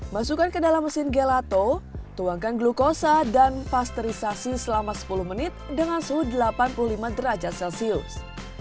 masukkan ke dalam mesin gelato tuangkan glukosa dan pasterisasi selama sepuluh menit dengan suhu delapan puluh lima derajat celcius